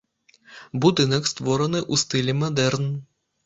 Будынак створаны ў стылі мадэрн.